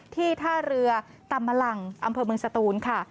ท่าเรือตำมะลังอำเภอเมืองสตูนค่ะ